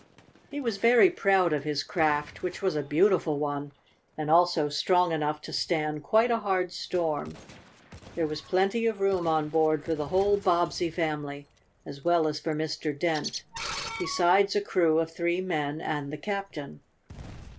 He was very proud of his craft, which was a beautiful one, and also strong enough to stand quite a hard storm. There was plenty of room on board for the whole Bobbsey family, as well as for Mr. Dent, besides a crew of three men and the captain.